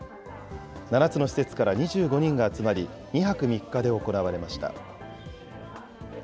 ７つの施設から２５人が集まり、２泊３日で行われました。